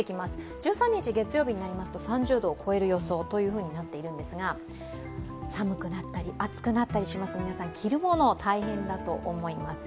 １３日月曜日になりますと３０度を超える予想となっているんですが、寒くなったり、暑くなったりしますので着るもの、大変だと思います。